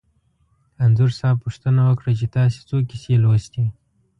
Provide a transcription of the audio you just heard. انځور صاحب پوښتنه وکړه چې تاسې څو کیسې لوستي.